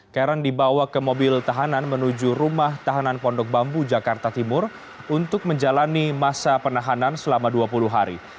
karen dibawa ke mobil tahanan menuju rumah tahanan pondok bambu jakarta timur untuk menjalani masa penahanan selama dua puluh hari